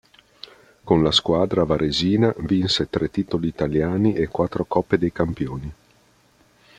Con la squadra varesina vinse tre titoli italiani e quattro Coppe dei Campioni.